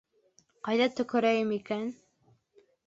Ҡайҙа төкөрәйем икән?